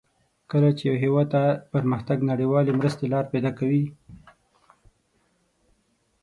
کله چې یو هېواد ته پرمختګ نړیوالې مرستې لار پیداکوي.